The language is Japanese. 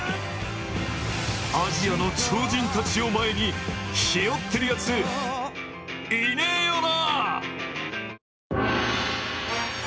アジアの超人たちを前にひよってるやついねえよな？